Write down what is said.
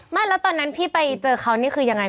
ไม่แล้วตอนนั้นพี่ไปเจอเขานี่คือยังไง